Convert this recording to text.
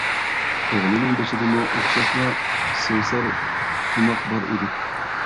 ئوغلىنىڭ بېشىدىمۇ ئوخشاشلا سۆسەر تۇماق بار ئىدى.